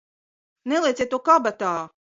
Nelieciet to kabatā!